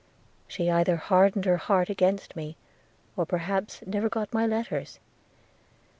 She either hardened her heart against me, or perhaps never got my letters.